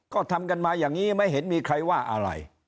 ก็ทำกันมาอย่างนี้ไม่เห็นมีใครว่าอะไร